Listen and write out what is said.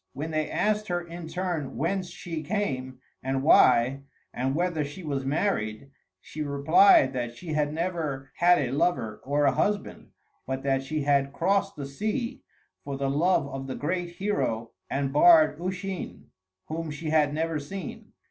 When they asked her in turn whence she came, and why, and whether she was married, she replied that she had never had a lover or a husband, but that she had crossed the sea for the love of the great hero and bard Usheen, whom she had never seen.